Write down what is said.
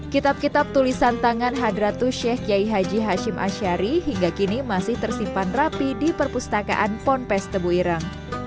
kitab kitab tulisan tangan hadratul sheikh kiai haji hashim ashari hingga kini masih tersimpan rapi di perpustakaan pond pes tebu irem